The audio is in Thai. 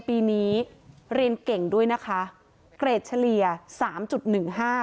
ปีนี้เรียนเก่งด้วยนะคะเกรดเฉลี่ยสามจุดหนึ่งห้า